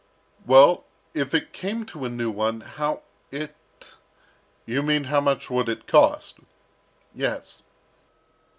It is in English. "Well, if it came to a new one, how it " "You mean how much would it cost?" "Yes."